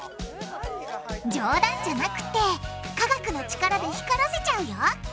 冗談じゃなくて科学の力で光らせちゃうよ。